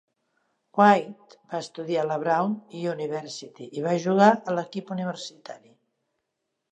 White va estudiar a la Brown University i va jugar a l'equip universitari.